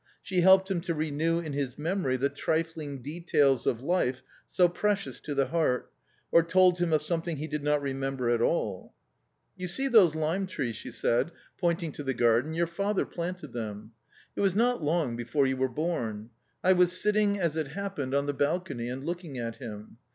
She helped him to renew in his memory the trifling details of life so precious to the heart, or told him of something he did not remember at all. "You see those lime trees," she said, pointing to the R 258 A COMMON STORY garden ;" your father planted them. It was not long before you were born. I was sitting, as it happened, on the balcony and looking at him.